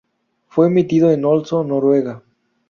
Fue emitido en Oslo, Noruega.